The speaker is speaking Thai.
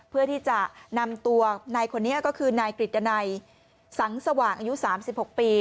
เพื่อที่จะนำตัวนายคนนี้ก็คือนายกฤตดันัยสังสว่างอายุ๓๖ปี